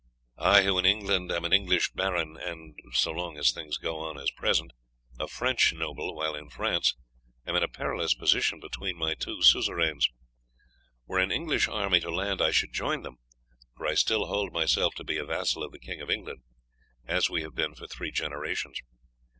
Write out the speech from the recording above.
I, who in England am an English baron, and so long as things go on as at present a French noble while in France, am in a perilous position between my two Suzerains. Were an English army to land, I should join them, for I still hold myself to be a vassal of the king of England, as we have been for three generations.